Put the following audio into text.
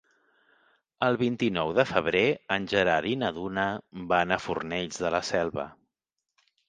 El vint-i-nou de febrer en Gerard i na Duna van a Fornells de la Selva.